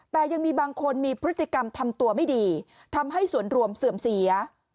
แต่ยังมีบางคนมีพฤติกรรมทำตัวไม่ดีทำให้ส่วนรวมเสื่อมเสีย